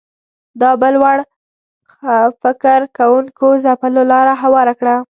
دا بل وړ فکر کوونکو ځپلو لاره هواره کړه